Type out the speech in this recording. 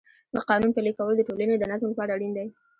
د قانون پلي کول د ټولنې د نظم لپاره اړین دی.